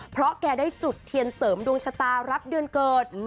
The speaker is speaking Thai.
เพราะแกได้จุดเทียนเสริมดวงชะตารับเดือนเกิด